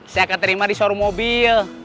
saya akan terima di showroom mobil